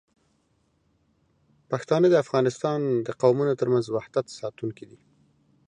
پښتانه د افغانستان د قومونو ترمنځ وحدت ساتونکي دي.